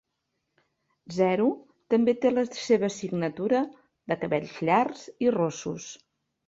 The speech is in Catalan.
Zero també té la seva signatura de cabells llargs i rossos.